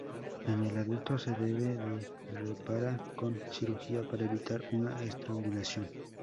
En el adulto se debe de repara con cirugía para evitar una estrangulación.